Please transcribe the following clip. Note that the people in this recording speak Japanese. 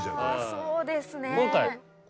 そうですね。